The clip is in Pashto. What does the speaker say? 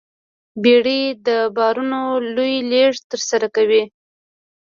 بیړۍ د بارونو لوی لېږد ترسره کوي.